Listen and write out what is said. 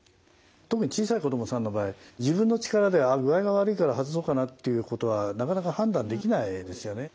特に小さい子どもさんの場合自分の力で具合が悪いから外そうかなっていうことはなかなか判断できないですよね。